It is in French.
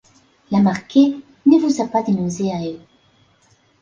La Marquet ne vous a pas dénoncés à eux.